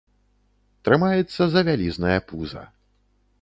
Трымаецца за вялізнае пуза.